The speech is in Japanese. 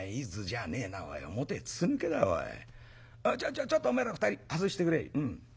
ちょちょっとおめえら２人外してくれ。